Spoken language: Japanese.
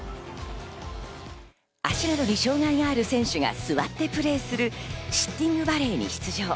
足などに障害がある選手が座ってプレーするシッティングバレーに出場。